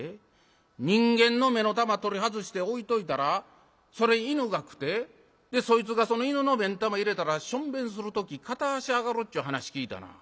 人間の目の玉取り外して置いといたらそれ犬が食うてそいつがその犬の目ん玉入れたらしょんべんする時片足上がるっちゅう噺聴いたな。